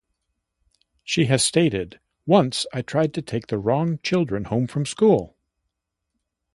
She has stated, Once I tried to take the wrong children home from school!